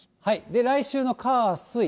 来週の火、水。